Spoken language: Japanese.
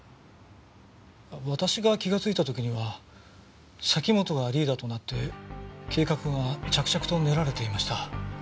私が気がついた時には崎本がリーダーとなって計画が着々と練られていました。